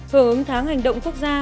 hướng tháng hành động quốc gia